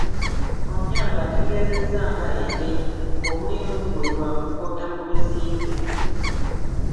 Onyango ategeezezza nga Engenyi ng'omulimu gwe gwa kupoota ku bizimbe.